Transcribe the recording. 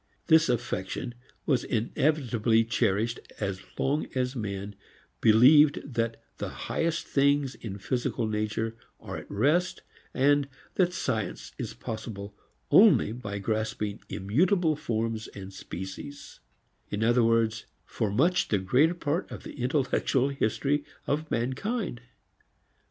This affection was inevitably cherished as long as men believed that the highest things in physical nature are at rest, and that science is possible only by grasping immutable forms and species: in other words, for much the greater part of the intellectual history of mankind.